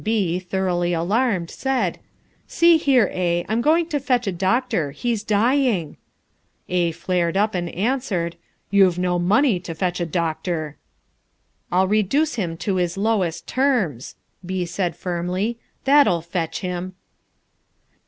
Then B, thoroughly alarmed, said, "See here, A, I'm going to fetch a doctor; he's dying." A flared up and answered, "You've no money to fetch a doctor." "I'll reduce him to his lowest terms," B said firmly, "that'll fetch him."